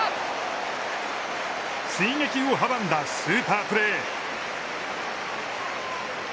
追撃を阻んだスーパープレー。